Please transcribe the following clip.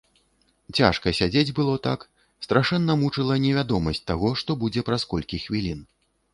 Цяжка сядзець было так, страшэнна мучыла невядомасць таго, што будзе праз колькі хвілін.